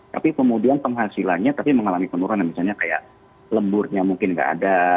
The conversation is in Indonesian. tapi kemudian penghasilannya tapi mengalami penurunan misalnya kayak lemburnya mungkin nggak ada